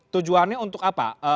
tujuannya untuk apa